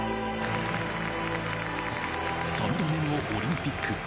３度目のオリンピック。